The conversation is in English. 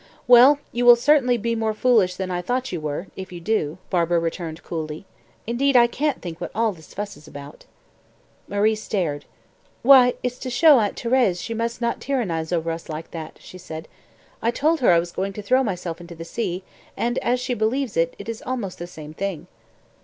"Well, you will certainly be more foolish than I thought you were, if you do," Barbara returned calmly. "Indeed, I can't think what all this fuss is about." Marie stared. "Why, it's to show Aunt Thérèse that she must not tyrannise over us like that," she said. "I told her I was going to throw myself into the sea, and as she believes it, it is almost the same thing."